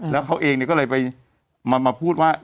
แล้วเขาเองก็เลยไปมาพูดว่า